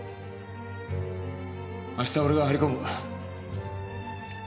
明日俺が張り込む。